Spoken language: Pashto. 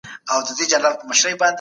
د ضرورت پر مهال سرښندنه پکار ده.